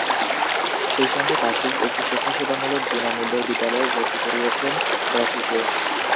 সেই সঙ্গে পাশেই একটি স্বেচ্ছাসেবামূলক বিনা মূল্যের বিদ্যালয়ে ভর্তি করিয়েছেন রকিকে।